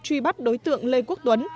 truy bắt đối tượng lê quốc tuấn